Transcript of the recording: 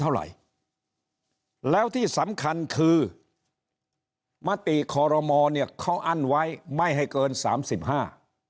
เท่าไหร่แล้วที่สำคัญคือมติคอรมอเนี่ยเขาอั้นไว้ไม่ให้เกินสามสิบห้า